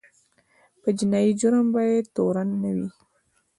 په جنایي جرم باید تورن نه وي.